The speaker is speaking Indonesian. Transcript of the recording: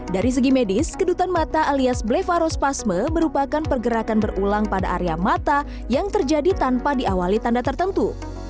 dari segi medis kedutan mata alias blevarospasme merupakan pergerakan berulang pada area mata yang terjadi tanpa diawali tanda tertentu